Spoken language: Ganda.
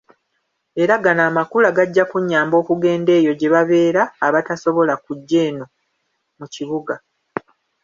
Era gano Amakula gajja kunnyamba okugenda eyo gye babeera abatasobola kujja eno mu bibuga.